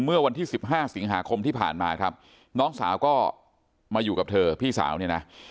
เมื่อวันที่๑๕สิงหาคมที่ผ่านมาครับน้องสาวก็มาอยู่กับเธอพี่สาวเนี่ยนะ